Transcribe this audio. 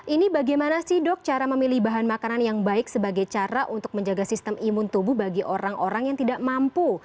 ini bagaimana sih dok cara memilih bahan makanan yang baik sebagai cara untuk menjaga sistem imun tubuh bagi orang orang yang tidak mampu